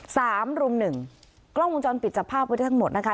สามรุ่มหนึ่งกล้องวงจรปิดจับภาพไว้ได้ทั้งหมดนะคะ